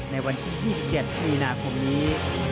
ในวันที่๒๗มีนาคมนี้